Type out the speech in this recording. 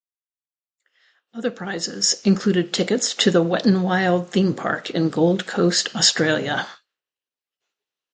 Other prizes included tickets to the Wet'n'Wild theme park in Gold Coast, Australia.